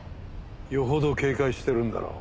よほど警戒してるんだろう。